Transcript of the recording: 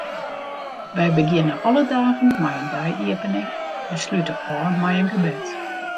Wy begjinne alle dagen mei in dei-iepening en slute ôf mei in gebed.